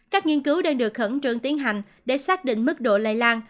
các nghiên cứu đang được khẩn trương tiến hành để xác định mức độ lây lan